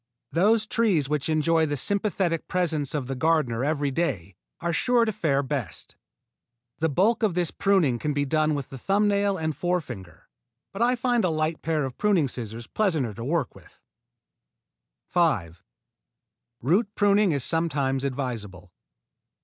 Those trees which enjoy the sympathetic presence of the gardener every day are sure to fare best. The bulk of this pruning can be done with the thumb nail and forefinger, but I find a light pair of pruning scissors pleasanter to work with. 5. Root pruning is sometimes advisable.